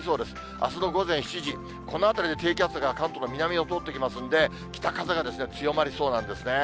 あすの午前７時、この辺りで低気圧が関東の南のほうを通っていきますので、北風が強まりそうなんですね。